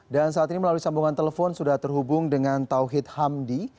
dan saat ini melalui sambungan telepon sudah terhubung dengan tauhid hamdi